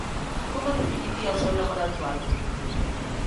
Como definiría o seu labor actual?